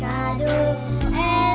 terima kasih